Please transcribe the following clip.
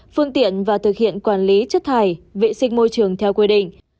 phương tiện và thực hiện quản lý chất thải vệ sinh môi trường theo quy định